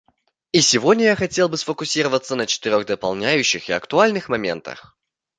И сегодня я хотел бы сфокусироваться на четырех дополняющих и актуальных моментах.